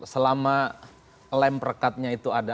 selama lem perekatnya itu ada